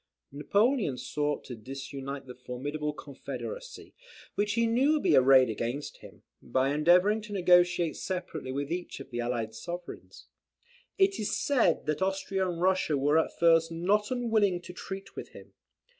Napoleon sought to disunite the formidable confederacy, which he knew would be arrayed against him, by endeavouring to negotiate separately with each of the allied sovereigns. It is said that Austria and Russia were at first not unwilling to treat with him.